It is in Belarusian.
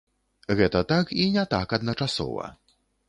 Гэта так, і не так адначасова.